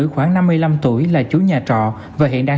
xin chào các bạn